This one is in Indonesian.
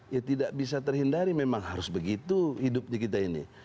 ya tidak bisa terhindari memang harus begitu hidupnya kita ini